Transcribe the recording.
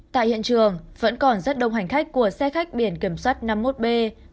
tại hiện trường vẫn còn rất đông hành khách của xe khách biển kiểm soát năm mươi một b hai mươi sáu nghìn một trăm bốn mươi chín